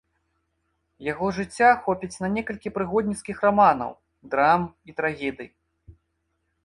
Яго жыцця хопіць на некалькі прыгодніцкіх раманаў, драм і трагедый.